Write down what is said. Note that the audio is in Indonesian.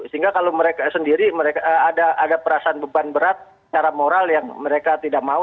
sehingga kalau mereka sendiri mereka ada perasaan beban berat secara moral yang mereka tidak mau